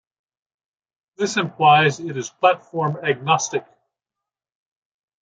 This implies it is platform agnostic.